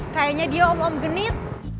kayaknya dia om om genit